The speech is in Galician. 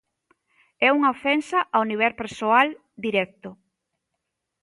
É unha ofensa ao nivel persoal, directo.